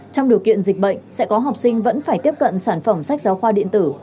trong điều kiện dịch bệnh sẽ có học sinh vẫn phải tiếp cận sản phẩm sách giáo khoa điện tử